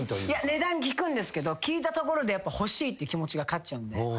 値段聞くんですけど聞いたところで欲しいっていう気持ちが勝っちゃうんで。